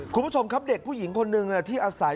คุณผู้ชมครับเด็กผู้หญิงคนหนึ่งที่อาศัย